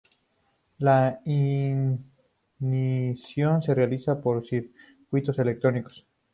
La ignición se realizaba por circuitos electrónicos.